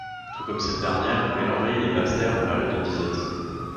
Tout comme cette dernière, elle envahit les basses terres en période de disette.